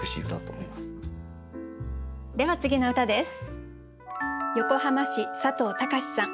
では次の歌です。